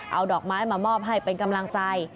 เอาดอกไม้มามอบให้เป็นกำลังใจ